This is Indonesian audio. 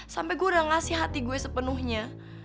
sampai gue udah ngasih hati gue sepenuhnya